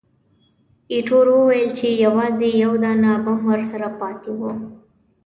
ایټور وویل چې، یوازې یو دانه بم ورسره پاتې وو.